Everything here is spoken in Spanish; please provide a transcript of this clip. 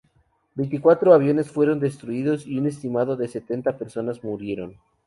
Veinticuatro aviones fueron destruidos, y un estimado de setenta personas murieron.